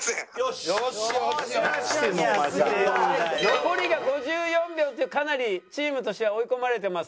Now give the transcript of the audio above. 残りが５４秒ってかなりチームとしては追い込まれてますが。